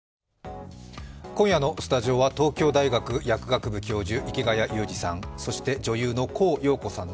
今夜のスタジオは東京大学薬学部教授、池谷裕二さん。